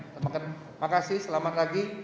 terima kasih selamat pagi